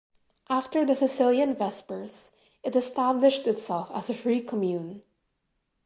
After the Sicilian Vespers, it established itself as a free commune.